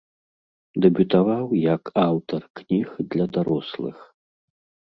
Дэбютаваў як аўтар кніг для дарослых.